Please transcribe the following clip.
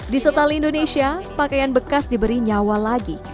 di setali indonesia pakaian bekas diberi nyawa lagi